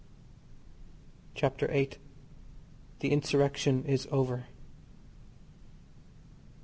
CHAPTER VIII. THE INSURRECTION IS OVER.